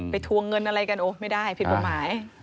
ทวงเงินอะไรกันโอ้ยไม่ได้ผิดกฎหมาย